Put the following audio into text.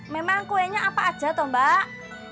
memang kuenya apa aja tuh mbak